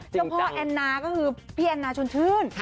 เจ้าพ่อแอนนาก็คือพี่แอนนาชนชื่น